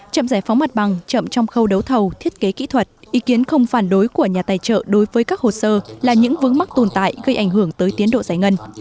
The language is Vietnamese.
chậm giải phóng mặt bằng chậm trong khâu đấu thầu thiết kế kỹ thuật ý kiến không phản đối của nhà tài trợ đối với các hồ sơ là những vướng mắc tồn tại gây ảnh hưởng tới tiến độ giải ngân